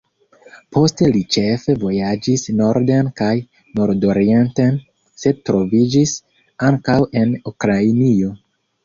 Poste li ĉefe vojaĝis norden kaj nordorienten, sed troviĝis ankaŭ en Ukrainio.